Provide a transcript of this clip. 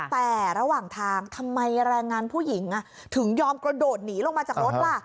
แต่ระหว่างทางทำไมแรงงานผู้หญิงถึงยอมกระโดดหนีลงมาจากรถล่ะ